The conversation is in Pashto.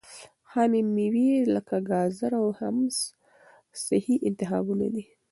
خامې مېوې لکه ګاځره او حمص صحي انتخابونه دي.